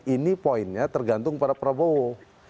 ini poinnya tergantung pada prabowo